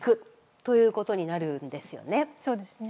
そうですね。